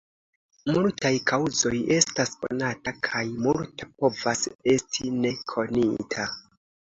Multaj kaŭzoj estas konata, kaj multa povas esti ne konita.